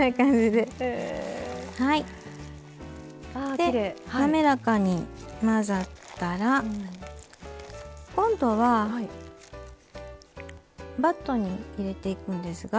で滑らかに混ざったら今度はバットに入れていくんですが。